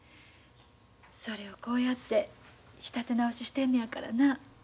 それをこうやって仕立て直ししてんのやからな。